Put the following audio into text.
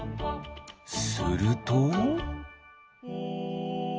すると。